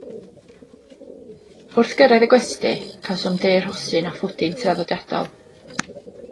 Wrth gyrraedd y gwesty, cawsom de rhosyn a phwdin traddodiadol.